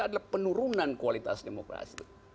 adalah penurunan kualitas demokrasi